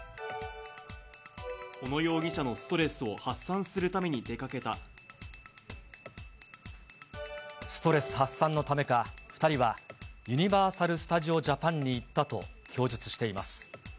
小野容疑者のストレスを発散ストレス発散のためか、２人はユニバーサル・スタジオ・ジャパンに行ったと供述しています。